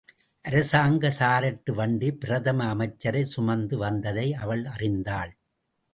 அரசாங்க சாரட்டு வண்டி பிரதம அமைச்சரைச் சுமந்து வந்ததை அவள் அறிந்தாள்.